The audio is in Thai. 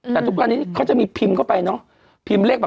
แต่ทุกวันนี้เขาจะมีพิมพ์เข้าไปเนอะ